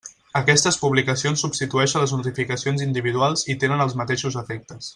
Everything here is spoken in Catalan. Aquestes publicacions substitueixen les notificacions individuals i tenen els mateixos efectes.